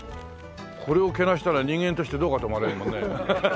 これをけなしたら人間としてどうかと思われるもんね。